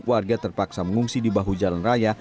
warga terpaksa mengungsi di bahu jalan raya